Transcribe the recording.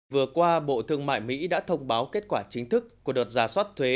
vừa qua bộ thương mại mỹ đã thông báo kết quả chính thức của đợt giả soát thuế